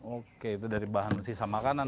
oke itu dari bahan sisa makanan